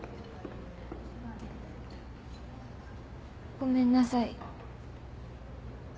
ごめんなさい。